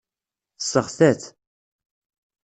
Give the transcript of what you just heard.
Tesseɣta-t.